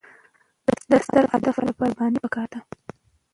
د ستر هدف لپاره قرباني پکار ده.